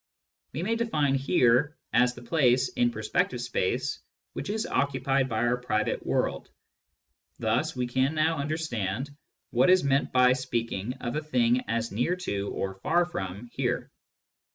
We may define "here" as the place, in perspective space, which is occupied by our private world. Thus we can now understand what is meant by speaking of a thing as near to or far from "here."